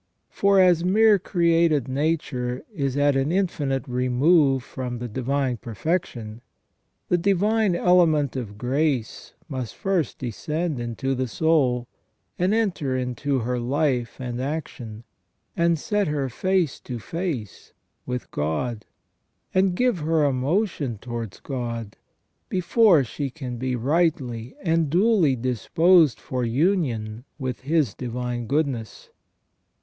For as mere created nature is at an infinite remove from the divine perfection, the divine element of grace must first descend into the soul, and enter into her life and action, and set her face to face with God, and give her a motion towards God, before she can be rightly and duly disposed for union with His divine goodness.